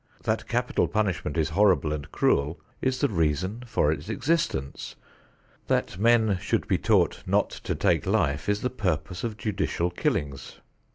That capital punishment is horrible and cruel is the reason for its existence. That men should be taught not to take life is the purpose of judicial killings.